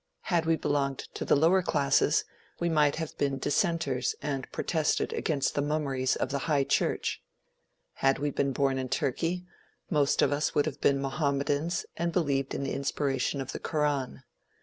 Had we belonged to the lower classes, we might have been dissenters and protested against the mummeries of the High Church. Had we been born in Turkey, most of us would have been Mohammedans and believed in the inspiration of the Koran.